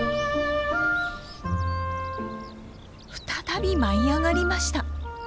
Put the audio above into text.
再び舞い上がりました！